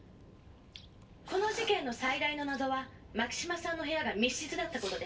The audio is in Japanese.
「この事件の最大の謎は牧島さんの部屋が密室だった事です」